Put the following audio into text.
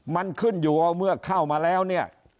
มันขึ้นอยู่ว่าเมื่อเข้ามาแล้วเนี่ย